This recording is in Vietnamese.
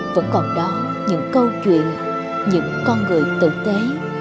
vẫn còn đó những câu chuyện những con người tử tế